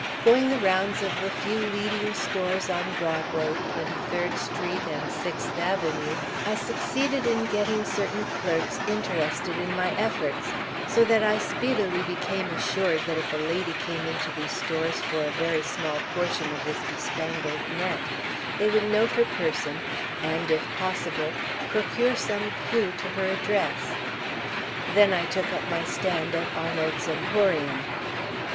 Going the rounds of the few leading stores on Broadway, 23d Street, and Sixth Avenue, I succeeded in getting certain clerks interested in my efforts, so that I speedily became assured that if a lady came into these stores for a very small portion of this bespangled net, they would note her person and, if possible, procure some clew to her address. Then I took up my stand at Arnold's emporium.